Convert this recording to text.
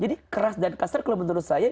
jadi keras dan kasar kalau menurut saya